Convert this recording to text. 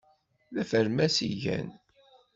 D afermas i gan.